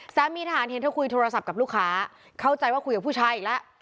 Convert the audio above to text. สามีทหารเห็นเธอคุยโทรศัพท์กับลูกค้าเข้าใจว่าคุยกับผู้ชายอีกแล้ว